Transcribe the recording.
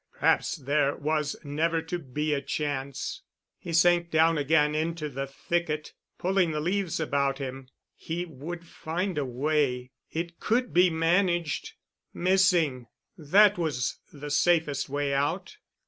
Perhaps there was never to be a chance. He sank down again into the thicket, pulling the leaves about him. He would find a way. It could be managed. "Missing"—that was the safest way out.